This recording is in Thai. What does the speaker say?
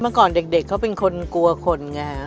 เมื่อก่อนเด็กเขาเป็นคนกลัวคนไงฮะ